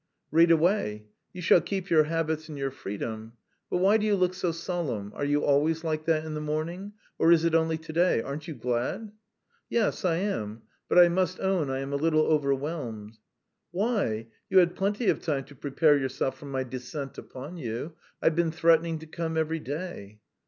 "Read away. ... You shall keep your habits and your freedom. But why do you look so solemn? Are you always like that in the morning, or is it only to day? Aren't you glad?" "Yes, I am. But I must own I am a little overwhelmed." "Why? You had plenty of time to prepare yourself for my descent upon you. I've been threatening to come every day."